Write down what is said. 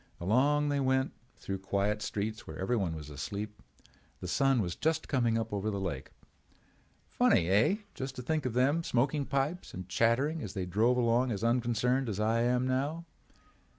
Along they went through quiet streets where everyone was asleep. The sun was just coming up over the lake. Funny, eh—just to think of them smoking pipes and chattering as they drove along as unconcerned as I am now.